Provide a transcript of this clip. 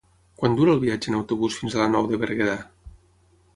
Quant dura el viatge en autobús fins a la Nou de Berguedà?